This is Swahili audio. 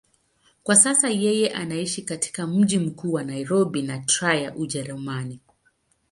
Kwa sasa yeye anaishi katika mji mkuu wa Nairobi na Trier, Ujerumani.